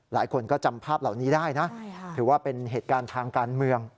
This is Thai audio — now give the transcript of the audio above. หลายคนก็จำภาพเหล่านี้ได้นะถือว่าเป็นเหตุการณ์ทางการเมือง